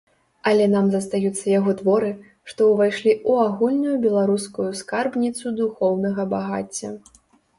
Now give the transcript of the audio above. Але нам застаюцца яго творы, што ўвайшлі ў агульную беларускую скарбніцу духоўнага багацця.